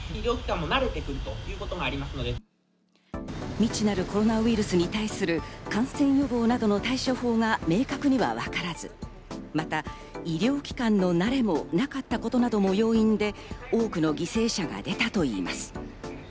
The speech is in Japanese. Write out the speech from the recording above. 未知なるコロナウイルスに対する感染予防などの対処法が明確にはわからず、また医療機関の慣れもなかったことなども要因で多くの犠牲者が出たといいます。